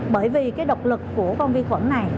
bởi vì độc lực của vi khuẩn này